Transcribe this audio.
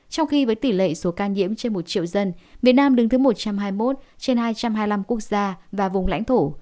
trong khi với tỷ lệ số ca nhiễm trên một triệu dân việt nam đứng thứ một trăm hai mươi một trên hai trăm hai mươi năm quốc gia và vùng lãnh thổ